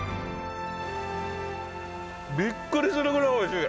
びっくりするぐらいおいしい。